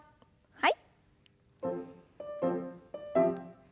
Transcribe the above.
はい。